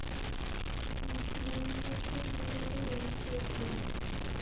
Mashindano gha chumbo ghawebonyeka idime.